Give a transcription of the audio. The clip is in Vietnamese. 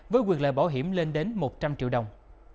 với quyền lợi bảo hiểm lên đến một trăm linh triệu đồng